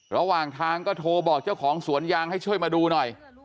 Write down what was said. ระหว่างทางก็โทรบอกเจ้าของสวนยางให้ช่วยมาดูหน่อย